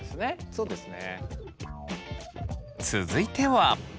そうですね。